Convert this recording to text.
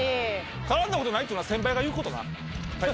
絡んだことないっていうのは先輩が言うことな。